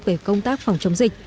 về công tác phòng chống dịch